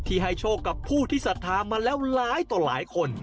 ที่ให้โชว์กับผู้ทฤษฐามาแล้วหลายต่อหลายคน